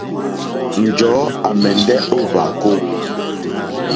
Njɔ̀ɔ́ à mɛ̀ndɛ́ ó hwàkó.